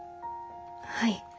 はい。